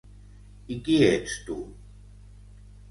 I qui ets tu?